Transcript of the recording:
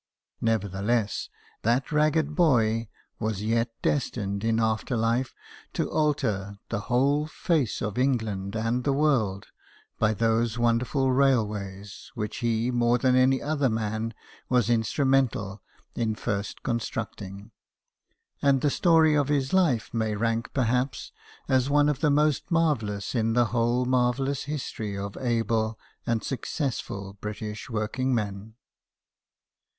Nevertheless, that ragged boy was yet destined in after life to alter the whole face of England and the world by those wonderful railways, which he more than any other man was instrumental in first constructing ; and the story of his life may rank perhaps as one of the most marvellous in the whole marvellous history of able and successful British working men.